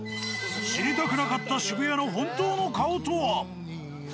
知りたくなかった渋谷の本当の顔とは。